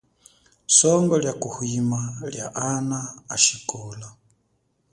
Songo lia kuhwima lia ana ashikola.